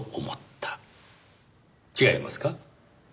違いますか？